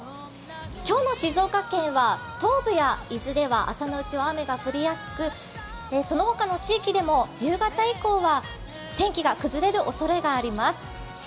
今日の静岡県は東部や伊豆では朝のうちは雨が降りやすくその他の地域でも夕方以降は天気が崩れるおそれがあります。